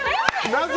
なぜ？